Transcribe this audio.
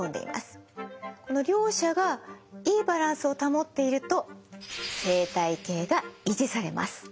この両者がいいバランスを保っていると生態系が維持されます。